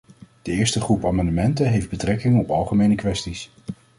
De eerste groep amendementen heeft betrekking op algemene kwesties.